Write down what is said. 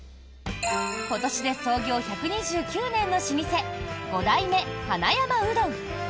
今年で創業１２９年の老舗五代目花山うどん。